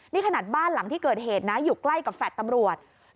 นี่ขนาดบ้านหลังที่เกิดเหตุนะอยู่ใกล้กับแฟลต์ตำรวจ